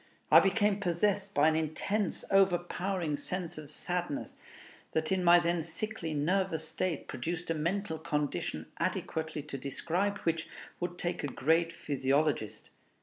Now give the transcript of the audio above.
I became possessed by an intense, overpowering sense of sadness, that in my then sickly, nervous state produced a mental condition adequately to describe which would take a great physiologist.